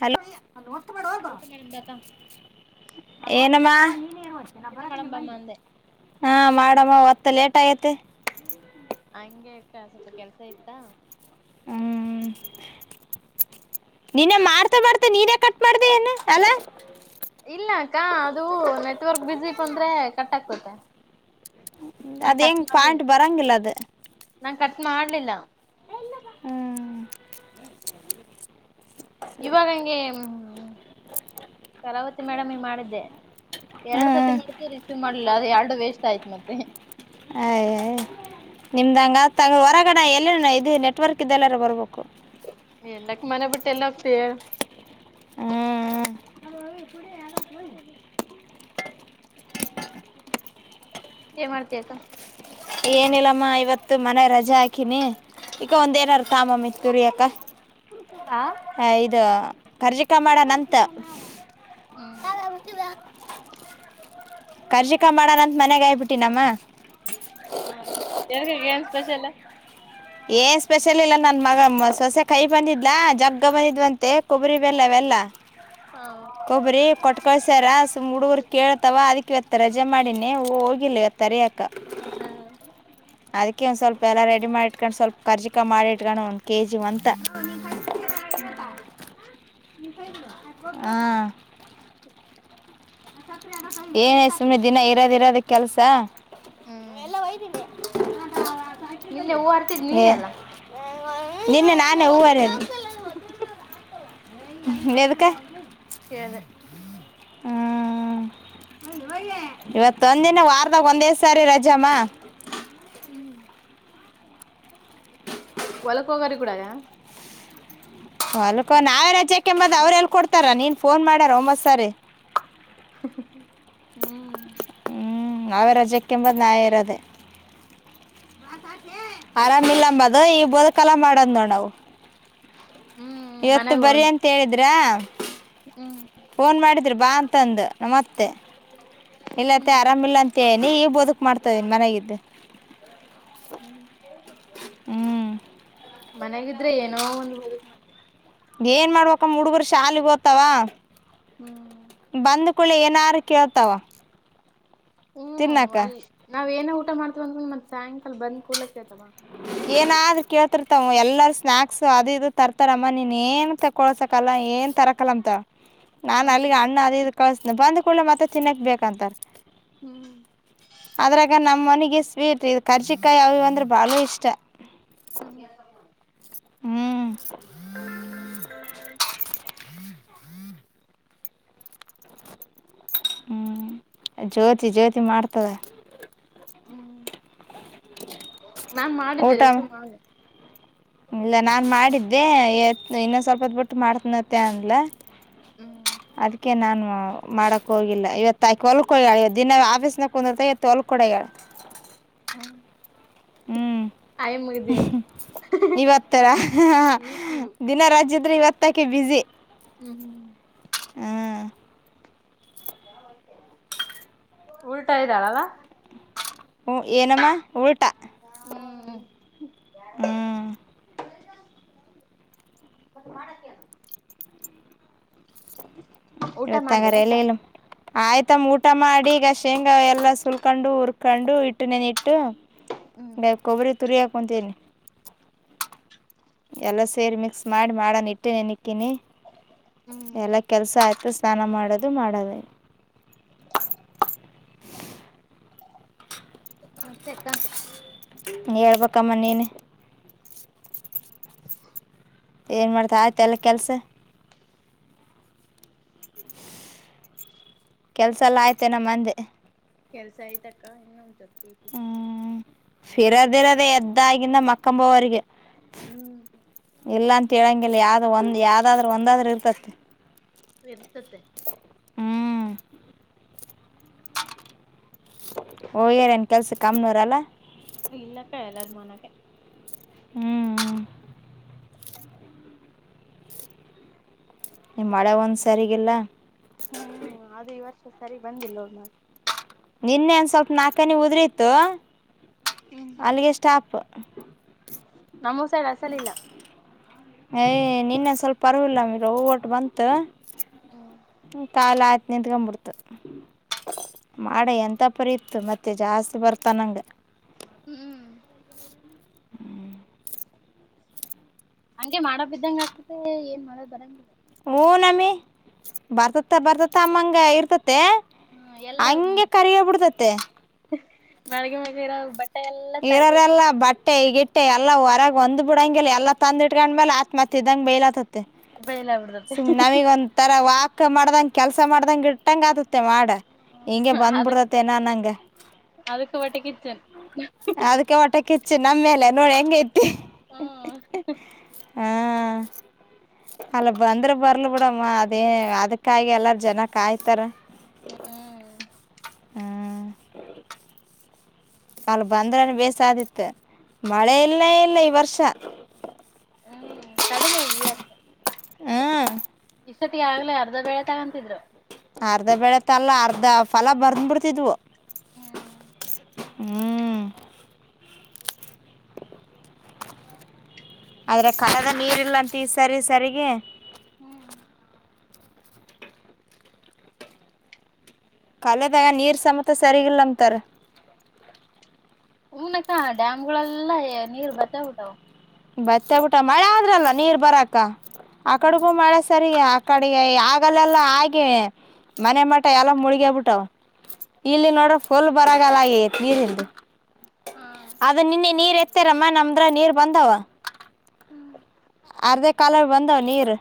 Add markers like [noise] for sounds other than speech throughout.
Hello ಅಲ್ಲಿ ಒತ್ತಬೇಡ ಹೋಗು ಊಟ ಮಾಡಂಬ ಬಾ ಏನಮ್ಮ ಊಟ ಮಾಡಂಬಮ್ಮ ಅಂದೆ ಹಾ ಮಾಡಮ್ಮ ಒತ್ತ ಲೇಟ್ ಆಗೇತಿ. ಹಂಗೆ ಯಕ್ಕ ಸ್ವಲ್ಪ ಕೆಲ್ಸ ಇತ್ತಾ. ಹ್ಮ್ ಹ್ಮ ನಿನ್ನೆ ಮಾಡ್. ತಡ್ತಾ ನೀನೇ ಕಟ್ ಮಾಡ್ದಿ ಏನ ಅಲ್ಲಾ. ಇಲ್ಲ ಅಕ್ಕ ಅದು ನೆಟ್ವರ್ಕ್ ಬ್ಯುಸಿ ಬಂದ್ರೆ ಕಟ್ ಆಗ್ತತೆ. ನಾ ಅದ ಕಟ್ ಹೆಂಗ್ ಮಾಡಿ ಪಾಯಿಂಟ್ ಬರಂಗಿಲ್ಲ ಅದು ನಾ ಕಟ್ ಮಾಡ್ಲಿಲ್ಲ. ಹ್ಮ್. ಇವಾಗಂಗೆ. ಸರಾವತಿ ಮೇಡಮಗ ಮಾಡಿದ್ದೆ ಎರಡ ಸತಿ ಹ್ಮ್ ಮಾಡಿದ್ದೆ ರಿಸಿವ ವ ಮಾಡ್ಲಿಲ್ಲ ಆ ಎರಡು ವೇಸ್ಟ್ ಆಯ್ತ ಮತ್ತೆ ಅಯ್ಯ. ನಿಮ್ದಂಗ ಆತ ತಗೋ ಹೊರಗಡೆ ಎಲ್ಲನ ಇದು ನೆಟ್ವರ್ಕ್ ಇದೆಲ್ಲರ ಬರ್ಬೇಕು. ಎಲ್ಲಕ್ಕ ಮನೆ ಬಿಟ್ಟ ಎಲ್ಲ ಹೋಗ್ತಿಯ. ಹ್ಮ ಹ. ಏನ ಮಾಡ್ತಿ ಅಕ್ಕ. ಏನಿಲ್ಲಮ್ಮ ಇವತ್ತು ಮನೆ ರಜ ಹಾಕಿನಿ. [unintelligible] ಹಾ. ಹ ಇದ ಕರ್ಜಿ ಕಾಯಿ ಮಾಡನಂತ. ಹ್ಮ್. ಕರ್ಜಿಕಾಯಿ ಮಾಡನ್ ಅಂತ ಮನ್ಯಾಗ ಆಯಿಬಿಟ್ಟಿನಿ ಅಮ್ಮ. ಹಾ ಯಾವಾಗ ಏನ್ ಸ್ಪಷಲ್. ಏನ್ ಸ್ಪೆಷಲ್ ಇಲ್ಲ ನನ್ ಮಗ ಸೊಸೆ ಕೈ ಬಂದಿದ್ಲಾ ಜಗ್ಗ ಬಂದಿದ್ವತೆ ಕೊಬ್ಬರಿ ಬೆಲ್ಲ ಅವೆೆಲ್ಲಾ. ಹಾ. ಕೊಬ್ಬರಿ ಕೊಟ್ಕಳ್ಸ್ಯಾರ ಸುಮ್ ಹುಡುಗರು ಕೇಳ್ತವ ಅದಕ್ಕ ಇವತ್ತ ರಜೆ ಮಾಡೀನಿ ಹೋಗಿಲ್ಲ ಇವತ್ತ ಹರಿಯಕ್ಕ. ಹ. ಅದಕ್ಕೆ ಒಂದ್ ಸ್ವಲ್ಪ ಎಲ್ಲಾ ರೆಡಿ ಮಾಡಿ. ಇಟ್ಕೊಂಡ್ ಸ್ವಲ್ಪ ಕರ್ಜಿಕ ಮಾಡಿ ಇಟ್ಕೊಂಡು ಒಂದ್ ಕೆಜಿವಂತ. ಹ್ಮ್ ಹಾ. ಏನ ಸುಮ್ನೆ ದಿನ ಇರದ ಇರದ ಕೆಲ್ಸ. ಹ್ಮ್ ಎಲ್ಲ ಹೋಯಿದಿನಿ. ನಿನ್ನೆ ಹೂವು ಅರ್ತಿದ್ ನೀನೆ ಅಲ್ಲಾ. ನಿನ್ನೆ ನಾನೇ ಹೂವ್ವ ಅರೇದ. ಎದಕ್ಕ. ಕೇಳ್ದೆ. ಹ್ಮ ಇವತ್ತೊಂದಿನ ವಾರದಾಗ ಒಂದೇ ಸಾರಿ ರಜಮ್ಮ. ಹ್ಮ್. [unintelligible] ಹೊಲ್ಕ ನಾವೇ ರಜೆಕ್ಕೆಂಬದ ಅವ್ರ ಎಲ್ಲಿ ಕೊಡ್ತಾರ ನೀನು ಫೋನ್ ಮಾಡ್ಯಾರ ಒಂಬತ್ ಸರಿ. ಹ್ಮ್. ಹ್ಮ್ ನಾವೇ ರಜ್ಯಕ್ಕೆಂಬದ ನಾವೇ ಇರದೆೇ. [inaudible] ಆರಾಮಿಲ್ಲ ಅಂಬದ ಈ ಬದಕಲ ಮಾಡದ್ ನೋಡ್ ನಾವ್ ಹ್ಮ್ ಇವತ್ತು ಮನ್ಯಾಗ ಬರಿ ಅಂ ತೇಳಿದ್ರಾ. ಹ್ಮ್. ಫೋನ್ ಮಾಡಿದ್ರ ಬಾ ಅಂತಂದ ಮತ್ತೆ ಇಲ್ಲ ಅತ್ತಿ ಹ್ಮ್ ಆರಾಮಿಲ್ಲ. ಅಂ ತೇನಿ ಈಗ್ ಬದಕ್ ಮಾಡ್ತ ಮನೆಗ ಇದ್ದ. ಹ್ಮ. ಹ್ಮ್ ಮನೇಗಿದ್ರ ಏನೋ ಒಂದ್ ಬದುಕ್ ಮಾಡ ಏನ್ ಮಾಡ್ಬೇಕ ಮೂಡುಗರು ಶಾಲಿಗಿ ಹೋತವ. ಹ್ಮ್ ಬಂದ್ ಕೊಡ್ಲೆ ಏನಾರು ಕೇಳ್ತಾವ. ಹ್ಮ್ ತಿನ್ನಕ ಅಲ್ಲಿ ನಾವ ಏನೆ ಊಟ ಮಾಡ್ತೀವಿ ಅಂದ್ರ ಸಾಯಂಕಾಲ ಬಂದ ಕೂಡ್ಲೆ ಕೇಳ್ತವ. ಏನಾದ್ರರು ಕೇಳ್ತಿರ್ತಾವ ಎಲ್ಲಾರ ಸ್ನಾಕ್ಸ್ ಅದು ಇದು ತರ್ತಾರಮ್ಮ. ನೀನ್ ಏನ್ ತ್ ಕೊಳ್ಸಕಲ್ಲ ಏನ್ ತರಕಲ್ಲ ಅಂತ. [inaudible] ನಾನ್ ಅಲ್ಲಿಗೆ ಅಣ್ಣ ಅದ ಇದ ಕಳ್ಸತ್ನಿ ಬಂದ್ ಕೂಡ್ಲೆ ಮತ್ತೆ ತಿನ್ನಕ್ ಬೇಕಂತಾರ. ಹ್ಮ್. ಅದ್ರಾಗ ನಮ್ಮ ಮನಿಗಿ ಸ್ವೀಟ್ ಇದ್ ಕರ್ಚಿಕಾಯಿ ಅವುಇವ್ ಅಂದ್ರ ಬಾರಿ ಇಷ್ಟ. [inaudible] ಹ್ಮ್. ಹ್ಮ್ ಜ್ಯೋತಿ ಜ್ಯೋತಿ ಮಾಡ್ತದ. ಹ್ಮ್ ನಾನ್ ಊಟ ಮಾಡಿದ್ದೇನೆ ಸುಮ ಇಲ್ಲ ನಾನ್ ಮಾಡಿದ್ದೆ ಎ ಇನ್ನೊಂದ್ ಸ್ವಲ್ಪದ ಬಿಟ್ಟು ಮಾಡ್ತನತ್ತ ಅನ್ಲ ಹ್ಮ್ ಅದಕ್ಕೆ ನಾನು ಮಾಡಕ್ ಹೋಗಿಲ್ಲ ಇವತ್ತು ಆ ಹೊಲ್ಕೋಳ ಇವ ದಿನ ಆಫೀಸ್ನ ಕುಂದಿರ್ತ ಇವತ್ತು ಹೊಲ್ಕ ಕೊಡಗಾಳ ಹ್ಮ್ ಹ್ಮ್ ಇವತ್ತರ ದಿನರಾಜ್ಯದ್ರೆ ಇವತ್ತಾಕ್ಕೆ ಬಿಜಿ ಹ್ಮ್ ಹ್ಮ್ ಉಲ್ಟಾ ಇದ್ದಾಳಲಾ ಹ್ಞೂ ಏನಮ್ಮ ಉಲ್ಟಾ ಹ್ಮ್ಮ ಹ್ಮ್ ಮತ್ತ ಮಾಡಕ್ಕ ಹೇಳ್ [inaudible] ಇವತ್ತಂಗ ರ ಮಾಡ್ದೇನಕ್ಕ ಏನು ಆಯ್ತಮ್ಮ ಊಟ ಮಾಡಿ ಈಗ ಶೇಂಗಾ ಎಲ್ಲಾ ಸುಲ್ಕೊಂಡು ಹುರ್ಕೊಂಡು ಇಟ್ಟು ನೆನ ಇಟ್ಟು ಹ್ಮ್ ನ ಕೊಬ್ಬರಿ ತುರಿ ಹಾಕೊಂತನಿ ಎಲ್ಲ ಸೇರಿ ಮಿಕ್ಸ್ ಮಾಡಿ ಮಾಡೋನ ಇಟ್ಟಿ ನೆಕ್ಕಿನಿ ಹ್ಮ್ ಎಲ್ಲ ಕೆಲಸ ಆಯ್ತು ಸ್ನಾನ ಮಾಡೋದು ಮಾಡೋದೇ [inaudible] ಆತೈಯ್ತಾ ಹೇಳ್ಬೇಕಮ್ಮ ನೀನೆ ಏನ್ ಮಾಡ್ತಾ ಆಯ್ತ ಎಲ್ಲ ಕೆಲ್ಸ ಕೆಲ್ಸ ಎಲ್ಲ ಆಯತೇನಮ್ಮ ಅಂದೆ ಕೆಲ್ಸ ಆಯ್ತಕ್ಕ ಇನ್ನ್ [inaudible] ಹ್ಮ್ ಫಿರೋದಿ ಇರದೆ ಎದ್ದಾಗಿಂದ ಮಕ್ಕಂಬವರೆಗೆ ಹ್ಮ್ ಇಲ್ಲ ಅಂತ ಹೇಳಂಗಿಲ್ಲ ಯಾವ್ದ್ ಒಂದ ಯಾವ್ದಾದ್ರರು ಒಂದಾದ್ರರು ಇರ್ತತಿ ಇರ್ತತೆ ಹ್ಮ್ ಓ್ಯರನ್ ಕೆಲ್ಸ ಕಮ್ ಇರಲ್ಲ ಇಲ್ಲಕ್ಕ ಎಲ್ಲಾರ್ ಮನೆಗೆ ಹ್ಮ್ ಈ ಮಳೆ ಒಂದ್ ಸರಿಗಿಲ್ಲ ಹ್ಮ್ ಅದ್ ಈ ವರ್ಷ ಸರಿ ಬಂದಿಲ್ಲ ಅ ಮ ನಿನ್ನೆ ನೆ ಒಂದ್ ಸ್ವಲ್ಪ್ ನಾಕ್ ಹನಿ ಉದ್ರಿತ್ತೂ ಹ್ಮ್ ಅಲ್ಲಿಗೆ ಸ್ಟಾಪ್ ನಮ್ಮೂ ಸೈಡ್ ಅಸಲ್ ಇಲ್ಲ ಏಯ್ ನಿನ್ನೆ ಸ್ವಲ್ಪ ಅರ್ವಿಲ್ಲ ಮಗೆ ಓ ಬಂತು ತಾಲ ನಿಂತ್ಕೋನ್ ಬಿಡ್ತು ಮಾಡೆ ಎಂಥ ಪರಿ ಇತ್ತು ಮತ್ತೆ ಜಾಸ್ತಿ ಬರ್ತಾನಂಗೆ ಹ್ಮ್ ಹಂಗೆ ಮಾಡ ಬಿದ್ದಂಗ ಆಗ್ತೈತೆ ಏನ್ ಮಾಡೋ ಬರಂಗಿಲ್ಲ ಹ್ಞ ನಮ್ಮಿ ಬರ್ತತ್ತ ಬರ್ತತ್ತ ಅಮ್ಮಂಗೆ ಇರ್ತತ್ತೆ ಹ್ಮ ಎಲ್ಲ ಮಡಗೆ ಮಡಗೆ ಇರ ಬ ಇರೋರೆಲ್ಲಾ ಬಟ್ಟೆ ಗಿಟ್ ಟ್ಟೆ ಎಲ್ಲಾ ಹೊರಗ್ ಒಂದು ಬಿಡಂಗಿಲ್ಲ ಎಲ್ಲ ತಂದ್ ಇಟ್ಕೊಂಡ್ಮೇಲ ಆತ್ ಮತ್ ಇದಂಗ ಬಯಲ ಆತ್ತತ್ ತೆ ಬಯಲ ಬಿಡ್ತತಿ ಸುಮ್ ನಮೀಗ ಒಂತರ ವಾಪ್ ಕ್ಕ ಮಾಡ್ದಂಗ ಕೆಲಸ ಮಾಡ್ದಂಗ ಇಟ್ಟಂಗ ಆತತ್ತೆ ವಾರ್ಡ್ ಹಿಂಗೆ ಅದಕ್ ಬಂದ್ಬಿಡತತ್ತೆ ಏನೋ ಅನ್ನಂಗ. ಅದಕ್ಕ ಹೊಟ್ಟೆ ಕಿಚ್ಚ. ಅದ್ಕೆ ಹೊಟ್ಟೆಕಿಚ್ಚ್ ನಮ್ಮೇಲೆ ನೋಡ್ ಹೆಂಗ ಐ ಹ್ಮ. ಹಾಂ ಅಲ್ಲ ಬಂದ್ರ ಬರ್ಲ್ ಬಿಡಮ್ಮ ಅದೇ ಅದಕ್ಕಾಗಿ ಎಲ್ಲಾರ್ ಜನ ಕಾಯ್ತಾರ. ಹ್ಮ್ ಹ್ಮ. ಹ್ಞೂ ಅಲ್ಲ ಬಂದ್ರನ ಬೇಸಾ ಆತಿತ್ತ ಮಳೆ ಇಲ್ಲ ಇಲ್ಲ ಈ ವರ್ಷ. ಹ್ಮ್ ಕಡಿಮೆ ಇರಬೇಕ. ಹ್ಮ. ಇಸತಿಗಾಗ್ಲೇ ಅರ್ಧ ಬೇಳೆ ತಗೊಂತಿದ್ರು. ಅರ್ಧ ಬೆಳೆತ್ತಲ್ಲ ಅರ್ಧ ಫಲ ಬರ್ನ್ ಬಿಡ್ತಿದ್ವು. ಹ್ಮ್. ಹ್ಮ್. ಆದರ ಕನದ ನೀರಿಲ್ಲ ಅಂತ ಈ ಸರಿ ಸರಿಗಿ ಹ್ಮ್. ಕಾಲೆದಾಗ ನೀರ್ ಸಮೇತ ಸರಿಗಲ್ಲಂತರ್. ಹೂನಕ್ಕ ಡ್ಯಾಮ್ಗಳೆಲ್ಲಾ ಎ ನೀರ್ ಬತ್ತೆಗ್ ಬಿಟ್ಟಾವ್. ಬತ್ತೆಗ್ ಬಿಟ್ಟಾವ ಮಳೆ ಆದ್ರಲ್ಲ ನೀರ್ ಬರಾಕ ಹ್ಮ್ ಆಕಡ್ಗೂ ಮಳೆ ಸರಿ ಆಕಡೆ ಆಗಲ್ಲಲ್ಲ ಆಗೆ ಮನೆ ಮಟ ಎಲ್ಲಾ ಮುಳಗೆಬಿಟ್ಟಾವ ಇಲ್ಲ ನೋಡು ಹ್ಮ್ ಫುಲ್ ಬರಗಲಾ ಆಗೇತಿ ನೀರಿಲ್ದ ಹಾ. ಅದ ನಿನ್ನೆ ನೀರ ಎತ್ತ್ಯಾರಮ್ಮ ನಮ್ದ್ರಾಗ ನೀರ ಬಂದವ. ಹ್ಮ್. ಅರ್ಧೇ ಕಾಲವೆ ಬಂದಾವ ನೀರ್.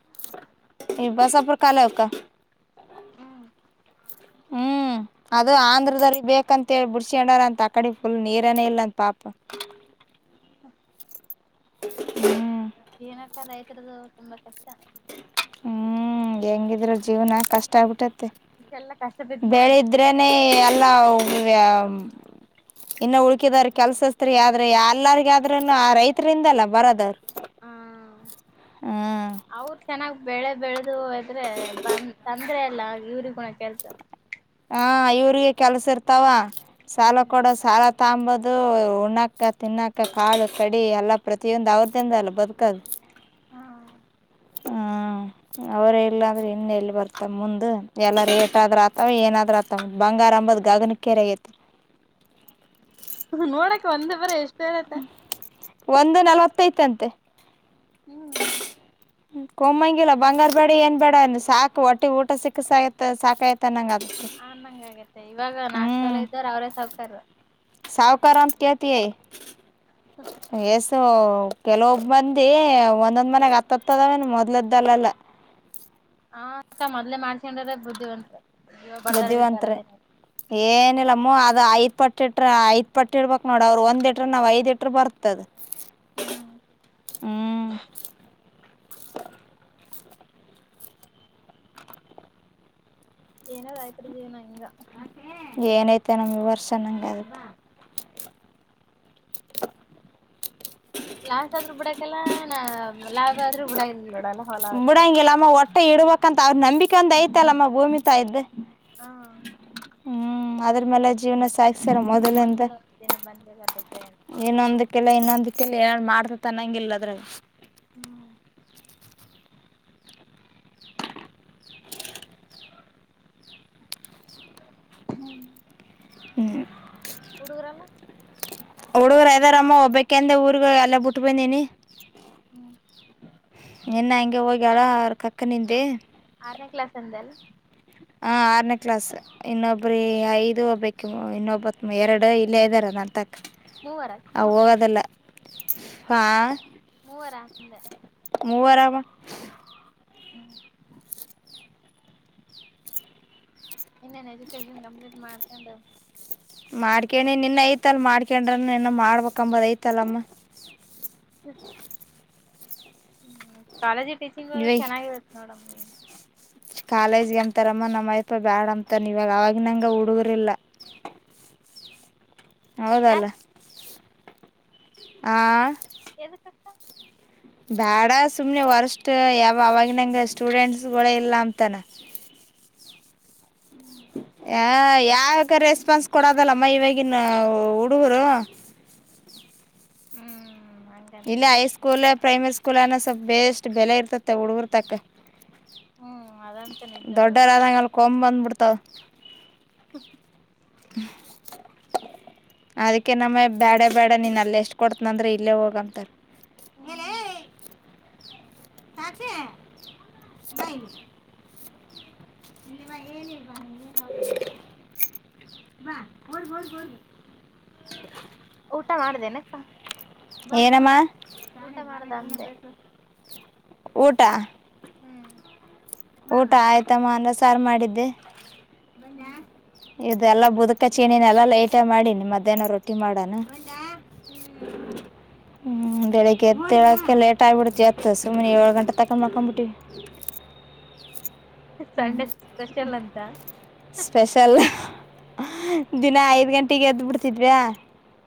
[unintelligible] ಈ ಬಸಾಪುರ ಕಾಲವೇಕ್. ಹ್ಮ. ಹ್ಮ್ ಅದು ಆಂಧ್ರದವ್ರಿಗ್ ಬೇಕಂತ ಹೇಳಿ ಬಿಡ್ಸಕೊಂಡಾರಂತ ಆಕಡೆ ಫುಲ್ ನೀರನೇ ಇಲ್ಲಂತ ಪಾಪ ಹಾ ಹ್ಮ್ ಏನಕ್ಕ ರೈತರದು ತುಂಬಾ ಕಷ್ಟ. ಹ್ಮ್ ಹೆಂಗಿದ್ರು ಜೀವನಾ ಕಷ್ಟ ಆಗ್ಬಿಟ್ಟತೆ. ಇಷ್ಟ ಎಲ್ಲಾ ಕಷ್ಟ ಬಿದ್ ಮಾಡ್ ದ್ರನೆ ಎಲ್ಲಾ ಇನ್ನ ಉಳ್ಕಿದಾರಗೆ ಕೆಲ್ಸ ಹಚ್ಚತಿರಿ ಆದ್ರ ಎಲ್ಲಾರ್ಗ ಆದ್ರೂನು ಆ ರೈತರಿಂದಲ್ಲಾ ಬರದ. ಹ್ಮ ಅವರ ಚೆನ್ನಾಗ್ ಬೆಳೆ ಬೆಳೆದು ಹೊದ್ರೆ ಬಂದ ತಂದ್ರೆ ಅಲ್ಲ ಇವ್ರಿಗೂನ ಕೆಲ್ಸ ಹ ಇವ್ರಿಗೆ ಕೆಲಸ ಇರ್ತಾವ ಸಾಲ ಹ್ಮ್ ಕೊಡ ಸಾಲ ತಂಬೋದು ಉಣಾಕ ತಿನ್ನಾಕ ಕಾಳು ಕಡಿ ಎಲ್ಲಾ ಪ್ರತಿಯೊಂದು ಅವ್ರ ದಿಂದ ಅಲ್ಲ ಬದುಕದು. ಹ್ಮ ಅವರೆ ಇಲ್ಲಂದ್ರ ಇನ್ನ ಎಲ್ಲಿ ಬರ್ತದ ಮುಂದ ಎಲ್ಲ ರೇಟ್ ಆದ್ರ ಆ ಅವು ಏನಾದ್ರ್ ಆತಾವ ಬಂಗಾರ ಅಂಬುದ್ ಗಗನಕೆರೆ ಹೋಗೇತಿ. ನೋಡಕ ಒಂದೇ ಬರೆ ಎಷ್ಟ ಹೇಳತ. ಒಂದು ನಲವತ್ತೈತಂತೆ. ಹ್ಮ್ ಹ್ ಕೊಮ್ಮಂಗಿಲ್ಲ ಬಂಗಾರ ಬಡಿ ಏನ್ ಬ್ಯಾಡ ಸಾಕ ಹೊಟ್ಟಿಗ್ ಊಟ ಸಿಕ್ರ ಸಾಯತ್ ಸಾಕಾಯ್ತ್ ತನ್ನಂಗ ಆತದ. ಹ ನಂಗ ಆಗತ್ತೆ ಇವಾಗ ನಾಕ್ ತೊಲೆ ಇದ್ದೋರ ಅವ್ರೇ ಸೌಕರ್. ಸಾವಕಾರ ಅಂತ್ ಕೇಳ್ತಿಯೇ ಎಸ್ ಸೊ ಕೆಲೊಬ್ ಮಂದಿ ಒಂದೊಂದ್ ಮನ್ಯಾಗ ಹತ್ತತ್ತದವೇನ ಮೊದ್ಲದ್ದಲ್ಲೆಲ್ಲ. ಹ್ಮ್ ಅಕ್ಕ ಮೊದ್ಲೆ ಮಾಡ್ಸಕೊಂಡ್ ಅವ್ರೆ ಬುದ್ಧಿವಂತ್ರ. ಬುದ್ಧಿವಂತ್ರೆ. ಏನಿಲ್ಲಮ್ಮೊ ಅದ ಐದ್ ಪಟ್ಟ ಇಟ್ರ ಐದ್ ಪಟ್ಟ ಇಡ್ಬಬೇಕ್ ನೋಡ ಅವ್ರ ಒಂದ ಇಟ್ರ ನಾವ್ ಐದ್ ಇಟ್ರ ಬರ್ತದ. ಹ್ಮ್ ಹ್ಮ್ ಏನದ್ ರೈತರ ಜೀವನ ಹಿಂಗ ಹ್. ಏನೈತನ ಈ ವರ್ಸ ನಂಗ ಆಗತ್. ಲಾಸ್ ಆದ್ರೂ ಬಿಡಕೆಲ್ಲ ನಾ ಲಾಭ ಆದ್ರೂ ಬಿಡಲ್. ಬಿುಡಾಂಗಿಲ್ಲ ಅಮ್ಮ ಒಟ್ಟೆ ಇಡ್ಬೇಕಂತ ಅವ್ರ ನಂಬಿಕೆ ಒಂದ ಐತಲ್ಲಮ್ಮ ಭೂಮಿ ತಾಯಿದ್. ಹಾ ಹ್ಮ್ ಅದ್ರ ಮೇಲೆ ಜೀವನ ಸಾಕ್ ಒಂದಲ ಒಂದಿನ ಬಂದೇ ಬರ್ತೈತೆ. ಇನ್ನೊಂದಕ್ಕೆಲ್ಲ ಇನ್ನೊಂದ ಕೆಲ್ಲ ಎನ್ ಮಾಡ್ ಅನ್ನಂಗಿಲ್ ಅದ್ರಗ. ಹ್ಮ್ ಹ್ಮ ಹ್ಮ್ ಹುಡುಗುರೆಲ್ಲ. ಹುಡುಗುರು ಅದರಮ್ಮ ಒಬ್ಬಕಂದ ಊರ್ಗ ಹೋಗ್ ಅಲ್ಲೆ ಬುಟ್ ಬಂದೀನಿ. ಹ್ಮ ನಿನ್ನ ಹಂಗೆ ಹೋಗ್ಯಾಳ ಅವ್ರ ಕಕ್ಕ ಹ ನಿಂದೆ. ಆರನೇ ಕ್ಲಾಸ್ ಅಂದೆ ಅಲ್ಲ ಹಾಂ ಆರ್ನೆ ಕ್ಲಾಸ್. ಇನ್ನೊಬ್ರ ಇ ಐದು ಒಬ್ಬಕಿ ಮು ಇನ್ನೊಬ್ಬತ್ ಎರಡ ಇಲ್ಲೇ ಇದರ ನನ್ ತಕ್. ಮೂವರ ಅಕ್ಕ ಆ ಮಕ್ಕಳು ಹೋಗೋದಲ್ಲ ಹಾ. ಮೂವರ ಅಂದೆ. ಮೂವರವ್ ಹ್ಮ್ ಇನ್ನೇನ್ ಎಜುಕೇಶನ್ ಕಂಪ್ಲೀಟ್ ಮಾಡ್ಕೊಂಡ ಮಾಡ್ಕ್ಯಾನಿನ್ ನಿನ್ ಐತಲ್ ಮಾಡ್ಕೊಂಡ್ರ ಇನ ಮಾಡ್ಬೇಕ ಅಂಬದ್ ಐತಲ್ಲಮ್ಮ. ಹ್ ಹ್ಮ್ ಕಾಲೇಜಿಗ್ ಟೀಚಿಂಗ್ ಹೋದ್ರ ಇವಾಗ ಚೆನ್ನಾಗಿರುತ್ತ ನೋಡಮ್ ನೀ ಕಾಲೇಜ್ಗೆ ಅಂತಾರಮ್ಮ ನಮ್ಮಯಪ ಬ್ಯಾಡ ಅಂತಾರ್ ಇವಾಗ ಅವಾಗ ನಂಗ ಹುಡುಗುರ್ ಇಲ್ಲ. ಯಾಕ ಹೌದಲ್ಲ ಹಾಂ. ಎದಕ. ಬ್ಯಾಡ ಸುಮ್ನೆ ವರ್ಷ್ಟ ಯಾವ ಅವಾಗಿನಂಗ ಸ್ಟುಡೆಂಟ್ಗೋಳು ಇಲ್ಲ ಅಂತಾನ. ಹ್ಮ್ ಯಾ ಯಾಕ ರೆಸ್ಪಾನ್ಸ್ ಕೊಡದಲ್ಲಮ್ಮ ಇವಾಗಿನ ಹುಡುಗುರು. ಹ್ಮ್ ಇಲ್ಲೆ ಹಂಗಂತೀಯ ಹೈ ಸ್ಕೂಲ್ ಪ್ರೈಮರಿ ಸ್ಕೂಲ್ ಅನ ಬೇಸ್ ಬೆಲೆ ಇರ್ತತ್ತ ಹುಡುಗುರ್ತಕ್ಕ. ಹ್ಮ್ ಅದಂತ ನಿಜ ಬಿಡು ದೊಡ್ಡೋರು ಆದಂಗೆಲ್ಲ ಕೊಂಬ್ ಬಂದ್ಬಿಡ್ತಾವ. ಹ ಅದಕ್ಕೆ ನಮ್ಮ ಬ್ಯಾಡೆ ಬ್ಯಾಡ ನೀನ್ ಅಲ್ ಎಷ್ಟ್ ಕೊಡ್ತನ ಅಂದ್ರ ಇಲ್ಲೇ ಹೋಗ. ತ ಹೇ ಲೇ ಸಾಕ್ಷಿ ಸ [unintelligible] ನಿವ ಏನ ಬ ನೀ ಬಾ ಓಡ್ಬ ಓಡ್ಬ ಓಡ್ಬ. ಊಟ ಮಾಡ್ದೇನಪ್ಪ. ಏನಮ್ಮಾ ಮಾಡ್ದ ಅಂದೆ ಊಟ. ಹ್ಮ್ ಊಟ ಆಯ್ತಮ್ಮ ಅನ್ನ ಸಾರು ಮಾಡಿದ್ದೆ. ಹ್ಮ್ ಇದೆಲ್ಲಾ ಬುದಕ ಅಚೀಣಿನೆಲ್ಲಾ ಲೈಟ್ ಮಾಡೀನಿ ಮಧ್ಯಾಹ್ನ ರೊಟ್ಟಿ ಮಾಡಣ. ಬಂದ್ಯಾ ಹ್ಮ್ ಹ್ಞೂ ಬೆಳಿಗ್ಗೆ ಎದೇಳಕ್ಕೆ ಲೇಟ್ ಆಗಿಬಿಡ್ತ್ ಇವತ್ತು ಸುಮ್ಮನೆ ಏಳು ಗಂಟೆ ತಕ ಮಕ್ಕೊಂಬಿಟ್ಟೀವಿ. ಸಂಡೆ ಸ್ಪೆಷಲ್ ಅಂತ. ಸ್ಪೆಷಲ್ ಹ ದಿನ ಐದು ಗಂಟೆಗೆ ಎದ್ ಬಿಡ್ತಿದ್ವ್ಯಾ.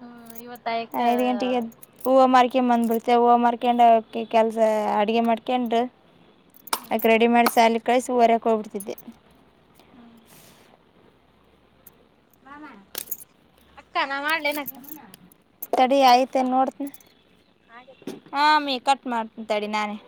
ಹ್ಮ್ ಇವತ್ತ ಅಯಕ್ಕ ಐದು ಗಂಟೆಗೆದ್ದ್ ಹೂವ ಮಾರ್ಕೆಂಬಂದ್ ಬಿಡ್ತೆ ಹೂವು ಮಾರ್ಕೆಂಡು ಕೆ ಕೆಲ್ಸ ಅಡ್ಗೆ ಮಾಡ್ಕೆಂಡು. ಅಕ ಹ್ಮ್ ರೆಡಿಮಾಡಿ ಸಾಲಿಕಳಿಸಿ ಒರ್ಯಾಕೋಗ್ಬಿಡ್ತಿದ್ದೆ. ಹ್ಮ್ ಬಾಮ ಅಕ್ಕ ನಾ ಮಾಡ್ಲೇನ್ ಅಕ್ಕ. ತಡಿ ಆಯ್ತೆನ್ ನೋಡ್ತ್ನಿ. ಆಗೆತ. ಹಾ ಅಮಿ ಕಟ್ ಮಾಡ್ತಿಂತಡಿ ನಾನೇ.